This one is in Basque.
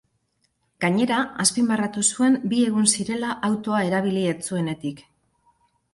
Gainera, azpimarratu zuen bi egun zirela autoa erabili ez zuenetik.